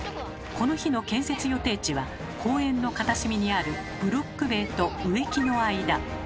この日の建設予定地は公園の片隅にあるブロック塀と植木の間。